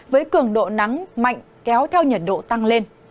với cường độ nắng mạnh kéo theo nhiệt độ tăng lên